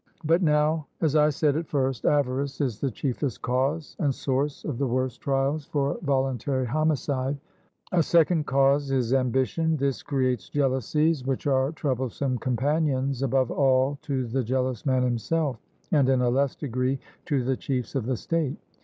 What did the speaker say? But now, as I said at first, avarice is the chiefest cause and source of the worst trials for voluntary homicide. A second cause is ambition: this creates jealousies, which are troublesome companions, above all to the jealous man himself, and in a less degree to the chiefs of the state.